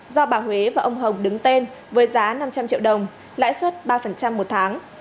do bà huế và ông hồng đứng tên với giá năm trăm linh triệu đồng lãi suất ba một tháng